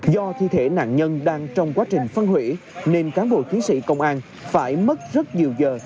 do thi thể nạn nhân đang trong quá trình phân hủy nên cán bộ chiến sĩ công an phải mất rất nhiều giờ